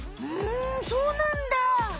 ふんそうなんだ。